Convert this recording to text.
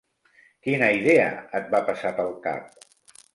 Quina idea et va passar pel cap?